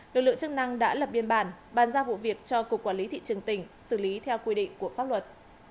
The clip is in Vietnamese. lực lượng chức năng đã lập biên bản bàn ra vụ việc cho cục quản lý thị trường tỉnh xử lý theo quy định của pháp luật